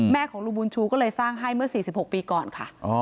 แม่ของลุมูลชูก็เลยสร้างให้เมื่อสี่สิบหกปีก่อนค่ะอ๋อ